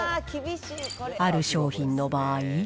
ある商品の場合。